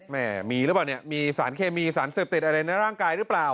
แม่มีหรือเปล่าเนี่ยมีสารเคมีสารเสพติดอะไรในร่างกายหรือเปล่า